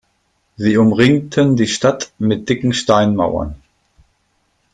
Sie umringten die Stadt mit dicken Steinmauern.